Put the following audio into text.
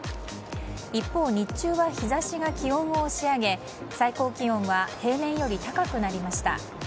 一方、日中は日差しが気温を押し上げ最高気温は平年より高くなりました。